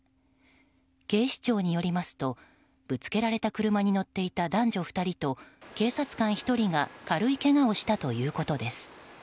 警視庁によりますとぶつけられた車に乗っていた男女２人と警察官１人が軽いけがをしたということです。